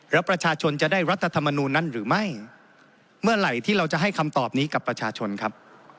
แล้วประชาชนจะได้รัฐธรรมนูลนั้นหรือไม่เมื่อไหร่ที่เราจะให้คำตอบนี้กับประชาชนครับ